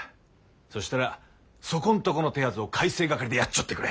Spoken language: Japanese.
そしたらそこんとこの手筈を改正掛でやっちょってくれ！